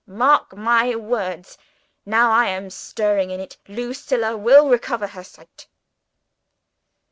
Mark my words! Now I am stirring in it, Lucilla will recover her sight."